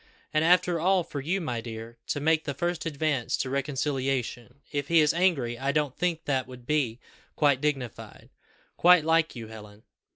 And after all, for you, my dear, to make the first advance to reconciliation! If he is angry I don't think that would be quite dignified; quite like you, Helen."